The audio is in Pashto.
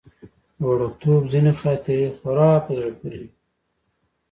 د وړکتوب ځينې خاطرې خورا په زړه پورې وي.